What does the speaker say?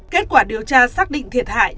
kết quả điều tra xác định thiệt hại